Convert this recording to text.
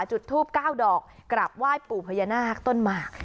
จุดทูป๙ดอกกลับไหว้ปู่พญานาคต้นหมาก